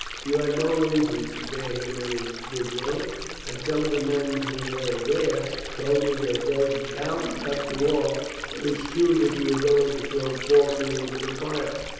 You had no reason to bear him any good will, and some of the men who were there told me that though Downes got you off, it was true that you were going to throw Faulkner into the fire."